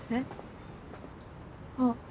あっ。